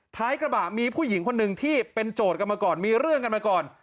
ท้ายกระบะมีผู้หญิงคนหนึ่งที่เป็นโจทย์กันมาก่อนมีเรื่องกันมาก่อน